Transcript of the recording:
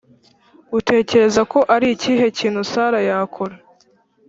Utekereza ko ari ikihe kintu Sarah yakora?